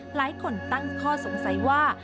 หลายคนตั้งข้อสงสัยว่า